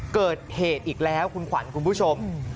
เกิดเหตุอีกแล้วคุณขวัญคุณผู้ชม